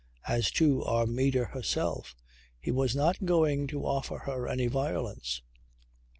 As to Armida, herself, he was not going to offer her any violence.